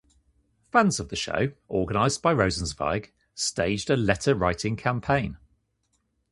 Fans of the show, organized by Rosenzweig, staged a letter-writing campaign.